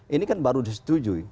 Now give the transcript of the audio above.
ini kan baru disetujui